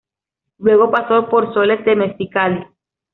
Luego pasó por Soles de Mexicali.